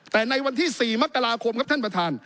แต่ในวันที่๔มกราคมครับท่านประธาน